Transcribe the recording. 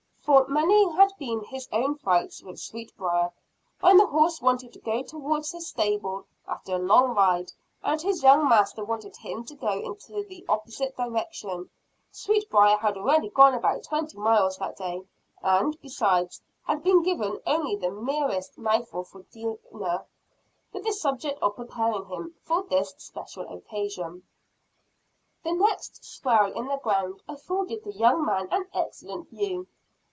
For many had been his own fights with Sweetbriar, when the horse wanted to go towards his stable, after a long ride, and his young master wanted him to go in the opposite direction. Sweetbriar had already gone about twenty miles that day and, besides, had been given only the merest mouthful for dinner, with the object of preparing him for this special occasion. The next swell in the ground afforded the young man an excellent view.